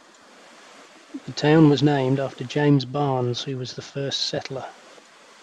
The town was named after James Barnes, who was the first settler.